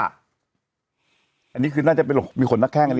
อันนี้คือน่าจะเป็นโหมีคนหน้าแข้ง